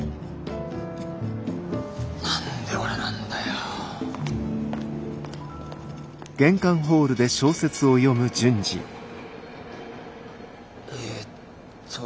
何で俺なんだよ。えっと。